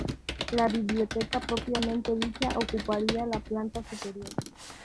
La biblioteca propiamente dicha ocuparía la planta superior.